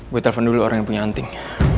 gue telepon dulu orang yang punya anting